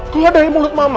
keluar dari mulut mama